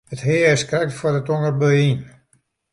It hea is krekt foar de tongerbui yn.